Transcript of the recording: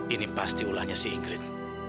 ini pasti ulahnya si ingkrit